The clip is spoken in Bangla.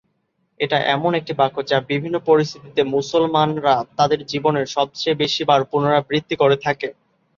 এটা এমন একটি বাক্য যা বিভিন্ন পরিস্থিতিতে মুসলমানরা তাদের জীবনে সবচেয়ে বেশিবার পুনরাবৃত্তি করে থাকে।